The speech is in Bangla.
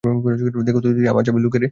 দেখো তো দিদি, আমার চাবি লুকিয়ে রেখেছেন।